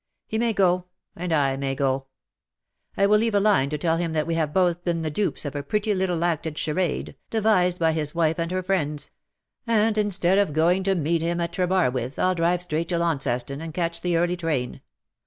He may go — and I may go. I will leave a line to tell him that we have both been the dupes of a pretty little acted charade, devised by his wife and her friends — and instead of going to meet him at Trebarwith, Til drive straight to Launceston, and catch the early train.